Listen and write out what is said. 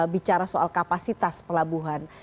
bicara soal kapasitas pelabuhan